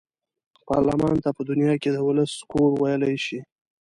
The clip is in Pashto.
پارلمان ته په دنیا کې د ولس کور ویلای شي.